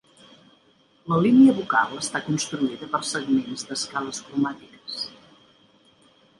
La línia vocal està construïda per segments d’escales cromàtiques.